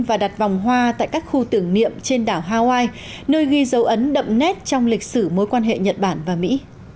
và đặt vòng hoa tại các khu tưởng niệm trên đảo hawaii nơi ghi dấu ấn đậm nét trong lịch sử mối quan hệ nhật bản và mỹ